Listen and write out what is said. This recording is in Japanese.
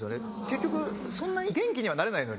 結局そんなに元気にはなれないのに。